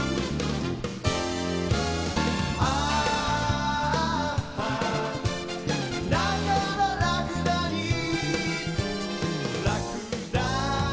「あーだからラクダにラクダになるのだ」